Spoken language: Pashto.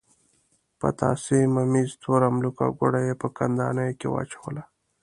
پتاسې، ممیز، تور املوک او ګوړه یې په کندانیو کې واچوله.